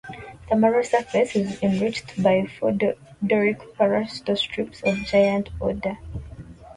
The mural surface is enriched by four Doric pilaster strips of giant order.